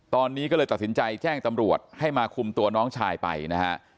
ตอนนี้ก็เลยตัดสินใจแจ้งตำรวจให้มาคุมตัวน้องชายไปนะฮะ